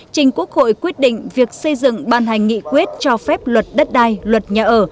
trình quốc hội quyết định việc xây dựng ban hành nghị quyết cho phép luật đất đai luật nhà ở